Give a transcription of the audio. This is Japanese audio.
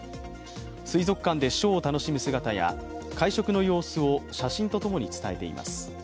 水族館でショーを楽しむ姿や会食の様子を写真とともに伝えています。